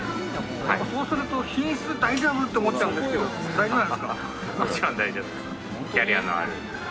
そうすると品質大丈夫？って思っちゃうんですけど大丈夫なんですか？